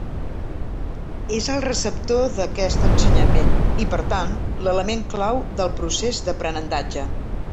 És el receptor d'aquest ensenyament, i per tant, l'element clau del procés d’aprenentatge.